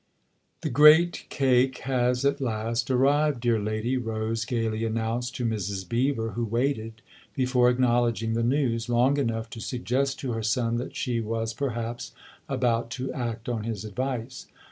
XVI " THE great cake has at last arrived, dear lady 1 " Rose gaily announced to Mrs. Beever, who waited, before acknowledging the news, long enough to suggest to her son that she was perhaps about to act on his advice.